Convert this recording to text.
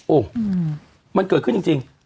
โอ้โหมันเกิดขึ้นจริง